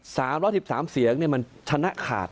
๓๑๓เสียงเนี่ยมันชนะขาด